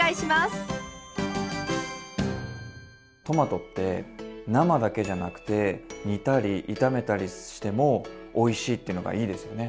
トマトって生だけじゃなくて煮たり炒めたりしてもおいしいっていうのがいいですよね。